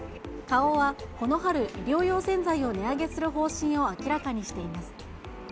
花王は、この春、衣料用洗剤を値上げする方針を明らかにしています。